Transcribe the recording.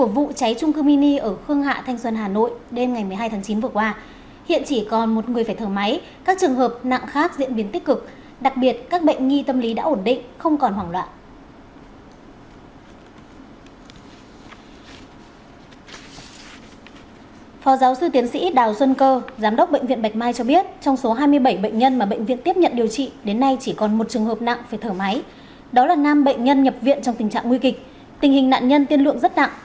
bệnh nhân nhập viện trong tình trạng nguy kịch tình hình nạn nhân tiên lượng rất nặng